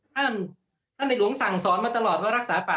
ท่านท่านในหลวงสั่งสอนมาตลอดว่ารักษาป่า